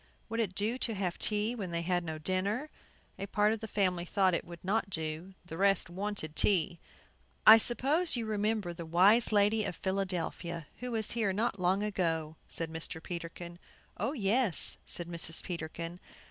Would it do to have tea when they had had no dinner? A part of the family thought it would not do; the rest wanted tea. "I suppose you remember the wise lady of Philadelphia, who was here not long ago," said Mr. Peterkin. "Oh, yes," said Mrs. Peterkin.